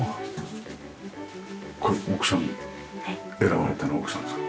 これ奥さん選ばれたの奥さんですか？